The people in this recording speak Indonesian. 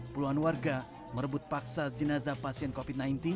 puluhan warga merebut paksa jenazah pasien covid sembilan belas